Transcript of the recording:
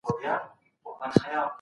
تجربه په بازار کې نه پلورل کېږي.